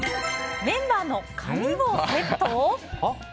メンバーの髪をセット？